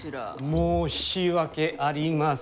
申し訳ありません。